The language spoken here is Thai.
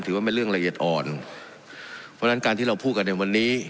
เป็นเรื่องละเอียดอ่อนเพราะฉะนั้นการที่เราพูดกันในวันนี้